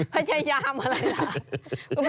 พยายามอะไรล่ะ